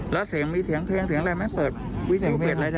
แล้วเสียงมีเสียงอะไรไหมเปิดวิทยุเปลี่ยนอะไรได้ไหม